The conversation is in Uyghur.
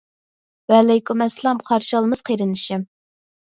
ۋەئەلەيكۇم ئەسسالام قارشى ئالىمىز قېرىندىشىم.